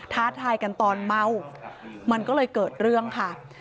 ท้าทายกันตอนเมามันก็เลยเกิดเรื่องค่ะ